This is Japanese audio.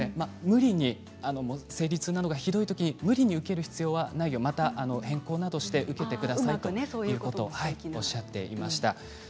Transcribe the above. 生理痛がひどいときに無理に受ける必要はないよ変更して受けてくださいとおっしゃっていました。